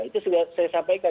itu sudah saya sampaikan